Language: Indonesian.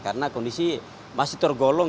karena kondisi masih tergolong